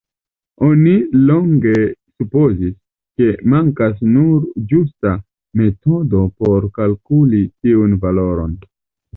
Oni longe supozis, ke mankas nur ĝusta metodo por kalkuli tiun valoron.